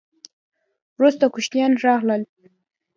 وروسته کوشانیان راغلل